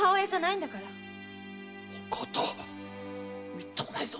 みっともないぞ。